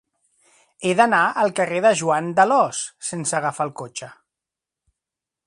He d'anar al carrer de Joan d'Alòs sense agafar el cotxe.